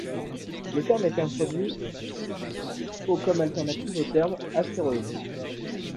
Le terme a été introduit au comme alternative au terme astéroïde.